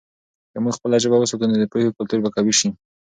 که موږ خپله ژبه وساتو، نو د پوهې کلتور به قوي سي.